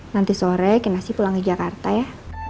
nanti sore kenasi pulang ke jakarta ya